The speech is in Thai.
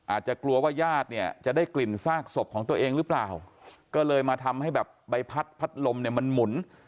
อาจจะกลัวว่าญาติเนี่ยจะได้กลิ่นซากศพของตัวเองหรือเปล่าก็เลยมาทำให้แบบใบพัดพัดลมเนี่ยมันหมุน